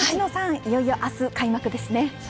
いよいよ明日開幕ですね。